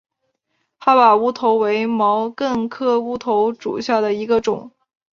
哈巴乌头为毛茛科乌头属下的一个种。